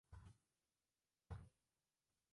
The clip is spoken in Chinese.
后被亚历山大大帝占领。